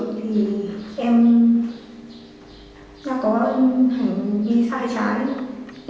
thì em đã có hành vi sai trái